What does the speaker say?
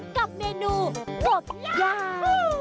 กับเมนูกรบยาก